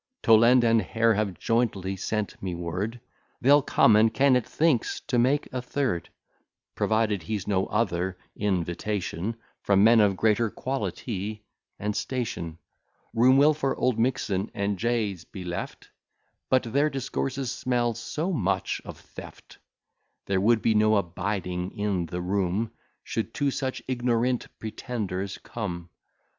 Toland and Hare have jointly sent me word They'll come; and Kennet thinks to make a third, Provided he's no other invitation From men of greater quality and station. Room will for Oldmixon and J s be left: But their discourses smell so much of theft, There would be no abiding in the room, Should two such ignorant pretenders come.